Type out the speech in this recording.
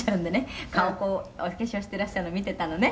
顔お化粧してらっしゃるの見てたのね」